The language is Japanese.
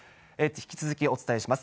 引き続きお伝えします。